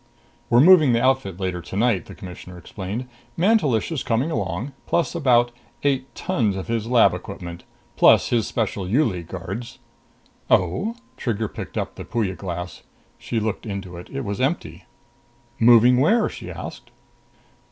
"We're moving the outfit later tonight," the Commissioner explained. "Mantelish is coming along plus around eight tons of his lab equipment. Plus his special U League guards." "Oh?" Trigger picked up the Puya glass. She looked into it. It was empty. "Moving where?" she asked.